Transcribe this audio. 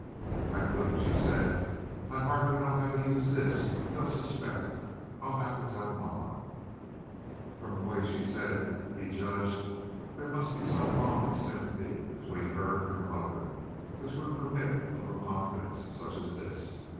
"I couldn't," she said. "I hardly know how to use this. They'll suspect. I'll have to tell mamma." From the way she said it he judged there must be some bond of sympathy between her and her mother which would permit of a confidence such as this.